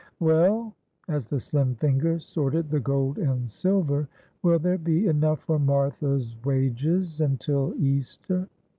"Well?" as the slim fingers sorted the gold and silver; "will there be enough for Martha's wages until Easter?"